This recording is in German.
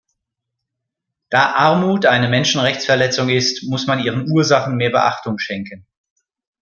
Da Armut eine Menschenrechtsverletzung ist, muss man ihren Ursachen mehr Beachtung schenken.